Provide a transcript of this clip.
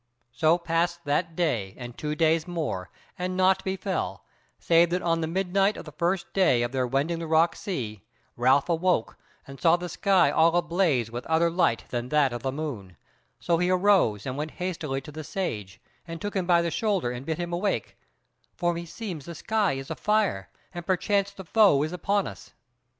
So passed that day and two days more, and naught befell, save that on the midnight of the first day of their wending the rock sea, Ralph awoke and saw the sky all ablaze with other light than that of the moon; so he arose and went hastily to the Sage, and took him by the shoulder, and bid him awake; "For meseems the sky is afire, and perchance the foe is upon us."